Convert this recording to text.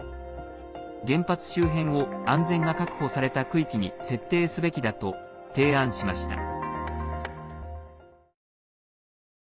原発周辺を安全が確保された区域に設定すべきだと提案しました。